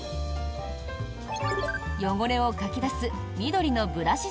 汚れをかき出す緑のブラシ